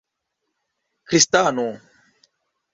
kristano